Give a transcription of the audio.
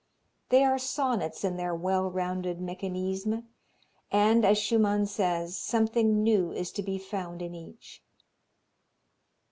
They are sonnets in their well rounded mecanisme, and, as Schumann says, something new is to be found in each.